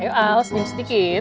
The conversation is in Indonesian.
ayo al sedikit sedikit